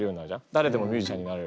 誰でもミュージシャンになれる。